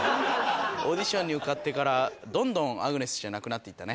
オーディションに受かってからどんどんアグネスじゃなくなっていったね。